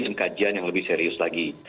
dan kajian yang lebih serius lagi